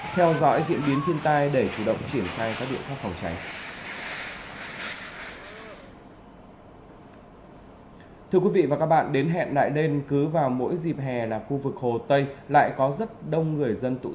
theo dõi diễn biến thiên tai để chủ động triển khai các biện pháp phòng cháy